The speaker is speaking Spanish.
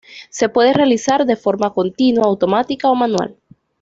Se puede realizar de forma continua, automática o manual.